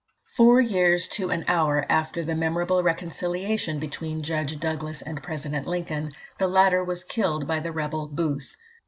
Four years to an hour after the memorable reconciliation between Judge Douglas and President Lincoln, the latter was killed by the rebel Booth.